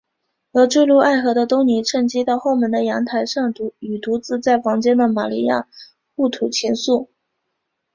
而坠入爱河的东尼趁机到后门的阳台上与独自在房间的玛利亚互吐情愫。